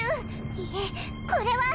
いえこれは。